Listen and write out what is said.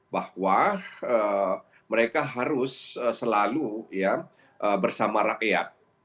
bahwa mereka harus selalu bersama rakyat